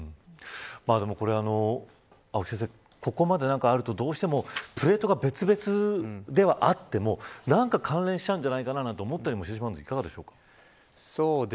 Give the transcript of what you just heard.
青木先生、ここまであるとどうしてもプレートが別々ではあっても何か関連しちゃうんじゃないかなと思ったりもしてしまうんですがいかがですか。